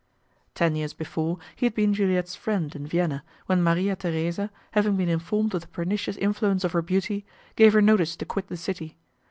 Ten years before, he had been Juliette's friend in Vienna, when Maria Theresa, having been informed of the pernicious influence of her beauty, gave her notice to quit the city.